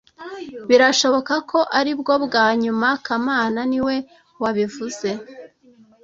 Birashoboka ko aribwo bwa nyuma kamana niwe wabivuze